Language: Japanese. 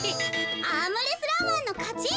アームレスラーマンのかち！